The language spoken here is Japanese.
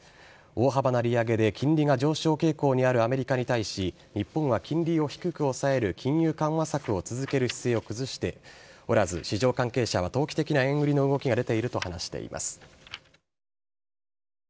大幅な利上げで金利が上昇傾向にあるアメリカに対し日本は金利を低く抑える金融緩和策を続ける姿勢を崩しておらず市場関係者は投機的な円売りの動きが出ているとみられます。